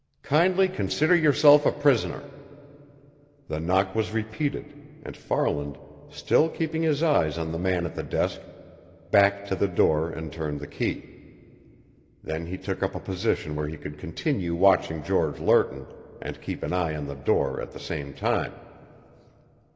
"Kindly consider yourself a prisoner!" The knock was repeated, and Farland, still keeping his eyes on the man at the desk, backed to the door and turned the key. Then he took up a position where he could continue watching George Lerton and keep an eye on the door at the same time.